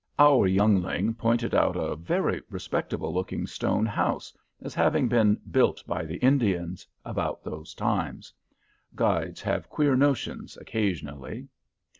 Our youngling pointed out a very respectable looking stone house as having been "built by the Indians" about those times. Guides have queer notions occasionally.